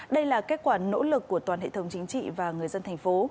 đây là kết quả nỗ lực của toàn hệ thống chính trị và người dân thành phố